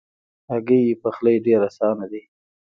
هګۍ پخلی ډېر آسانه دی.